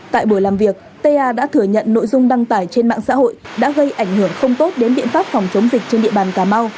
tại buổi làm việc ta đã thừa nhận nội dung đăng tải trên mạng xã hội đã gây ảnh hưởng không tốt đến biện pháp phòng chống dịch trên địa bàn cà mau